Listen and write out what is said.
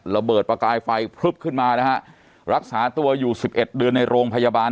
ระเบิดประกายไฟพลึบขึ้นมานะฮะรักษาตัวอยู่สิบเอ็ดเดือนในโรงพยาบาล